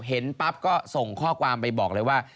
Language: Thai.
เห็นปั๊บก็ส่งข้อความไปบอกเลยว่า